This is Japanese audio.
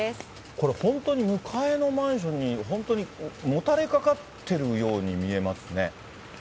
これ、本当に向かいのマンションに、本当にもたれかかってるように見えますね。